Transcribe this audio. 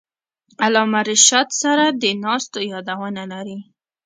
علامه رشاد سره د ناستو یادونه لري.